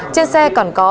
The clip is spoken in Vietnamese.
trên xe còn có